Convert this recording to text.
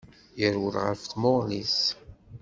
Yerwel ɣef tmuɣli-s.